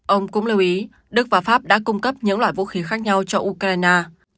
ông cũng lưu ý đức và pháp đã cung cấp những loại vũ khí khác nhau cho ukraine